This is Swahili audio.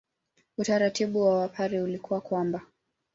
Utaratibu wa Wapare ulikuwa kwamba